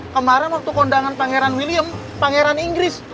kemarin waktu kondangan pangeran william pangeran inggris